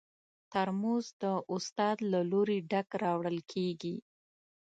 ترموز د استاد له لوري ډک راوړل کېږي.